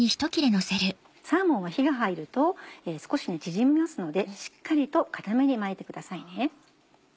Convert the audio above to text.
サーモンは火が入ると少し縮みますのでしっかりと硬めに巻いてくださいね。